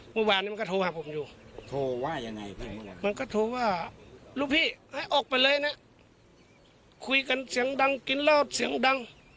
เมื่อวานนี้มันก็โทรหาผมอยู่โทรว่ายังไงมันก็โทรว่าลูกพี่ให้ออกไปเลยนะคุยกันเสียงดังกินเหล้าเสียงดัง